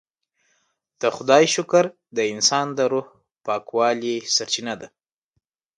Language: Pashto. د خدای شکر د انسان د روح پاکوالي سرچینه ده.